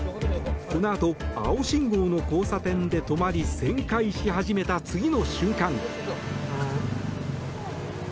このあと青信号の交差点で止まり旋回し始めた次の瞬間。